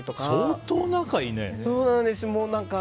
相当仲いいね。